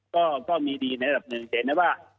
ก็มีดีในระดับหนึ่งจะเห็นได้ว่า